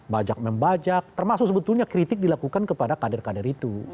bajak membajak termasuk sebetulnya kritik dilakukan kepada kader kader itu